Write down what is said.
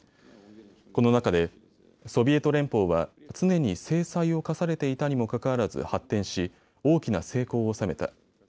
この中で、ソビエト連邦は常に制裁を科されていたにもかかわらず発展し大きな成功を収めた。